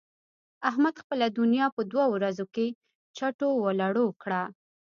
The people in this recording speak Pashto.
احمد خپله دونيا په دوو ورځو کې چټو و لړو کړه.